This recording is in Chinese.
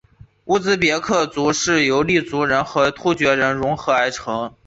乌兹别克族是由粟特人和突厥人溶合而成。